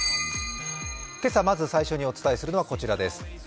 今朝まず最初にお伝えするのは、こちらです。